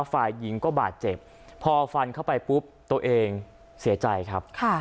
ฝ่ายหญิงก็บาดเจ็บพอฟันเข้าไปปุ๊บตัวเองเสียใจครับ